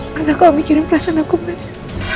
pernah kau mikirin perasaan aku mas